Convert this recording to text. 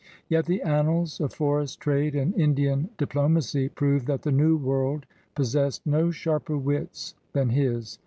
Yet the annals of forest trade and Indian diplo macy prove that the New World possessed no sharper wits than his.